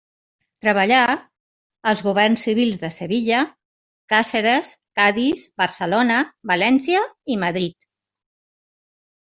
Treballà als governs civils de Sevilla, Càceres, Cadis, Barcelona, València i Madrid.